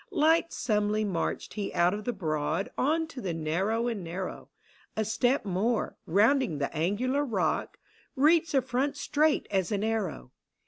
Lightsomely marched he out of the broad On to the narrow and narrow ; A step more, rounding the angular rock, Reached the front straight as an arrow.